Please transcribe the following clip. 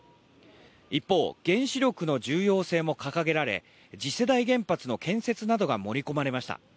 一方、原子力の重要性も掲げられ次世代原発の建設などが盛り込まれました。